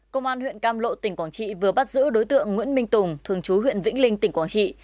công an huyện cam lộ tỉnh quảng trị vừa bắt giữ đối tượng nguyễn minh tùng thường chú huyện vĩnh linh tỉnh quảng trị